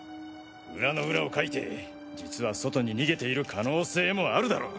裏の裏をかいて実は外に逃げている可能性もあるだろう。